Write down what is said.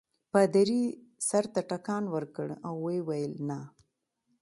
پادري سر ته ټکان ورکړ او ویې ویل نه.